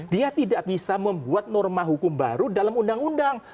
dia tidak bisa membuat norma hukum baru dalam undang undang